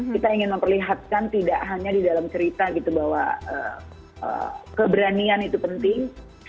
kita ingin memperlihatkan tidak hanya di dalam cerita gitu bahwa keberanian itu penting